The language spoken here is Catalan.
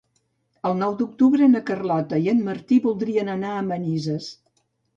El nou d'octubre na Carlota i en Martí voldrien anar a Manises.